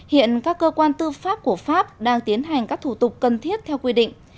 hiện các cơ quan tư pháp của pháp đang tiến hành các thủ tục cần thiết theo quy định